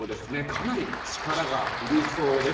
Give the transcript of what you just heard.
かなり力がいりそうです。